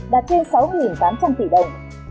đạt trên sáu tám trăm linh tỷ đồng